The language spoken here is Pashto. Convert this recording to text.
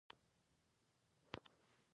زمونږ سپی هر سهار د کاغذ مطالعه کوي.